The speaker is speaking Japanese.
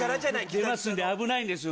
出ますんで危ないんですよ。